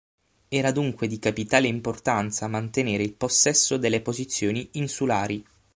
Era dunque di capitale importanza mantenere il possesso delle posizioni insulari.